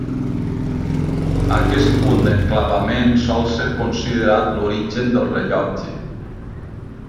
Aquest punt d'enclavament sol ser considerat l'origen del rellotge.